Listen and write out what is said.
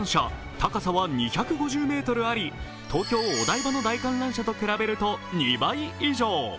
高さは２５０ｍあり東京・お台場の大観覧車と比べると２倍以上。